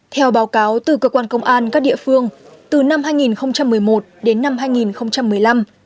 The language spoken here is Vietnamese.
theo báo cáo từ cơ quan công an các địa phương từ năm hai nghìn một mươi một đến năm hai nghìn một mươi năm